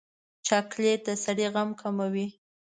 چاکلېټ د سړي غم کموي.